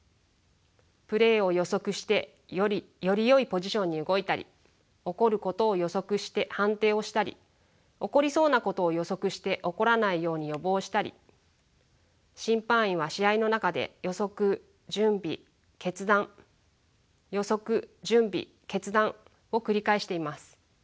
プレーを予測してよりよいポジションに動いたり起こることを予測して判定をしたり起こりそうなことを予測して起こらないように予防したり審判員は試合の中で予測準備決断予測準備決断を繰り返しています。